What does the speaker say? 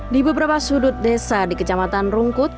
di beberapa sudut desa di kecamatan rungkut